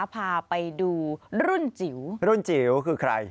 พาไปดูรุ่นจิ๋วรุ่นจิ๋วคือใคร